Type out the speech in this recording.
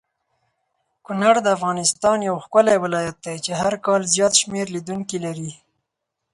کونړ دافغانستان یو ښکلی ولایت دی چی هرکال زیات شمیر لیدونکې لری